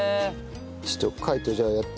ちょっと海人じゃあやって。